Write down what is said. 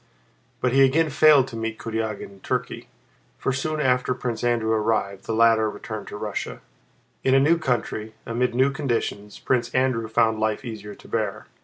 But he again failed to meet Kurágin in Turkey, for soon after Prince Andrew arrived, the latter returned to Russia. In a new country, amid new conditions, Prince Andrew found life easier to bear.